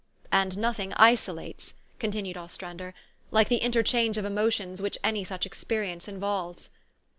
"And nothing isolates," continued Ostrander, '' like the interchange of emotions which any such experience involves.